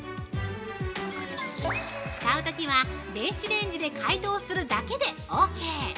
使うときは、電子レンジで解凍するだけでオーケー！